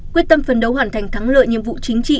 quyết tâm phân đấu hoàn thành thắng lợi nhiệm vụ chính trị